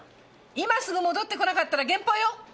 今すぐ戻ってこなかったら減俸よ！